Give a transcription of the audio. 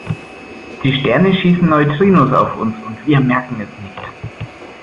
Die Sterne schießen Neutrinos auf uns und wir merken es nicht.